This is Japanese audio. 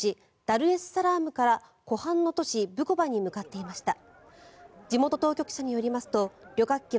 ダルエスサラームから湖畔の都市ブコバに向かっていました。